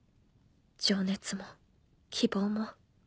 情熱も希望も。